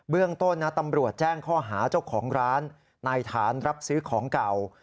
เรื่องต้นนะตำรวจแจ้งข้อหาเจ้าของร้านในฐานรับซื้อของเก่า